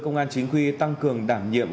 công an chính quy tăng cường đảm nhiệm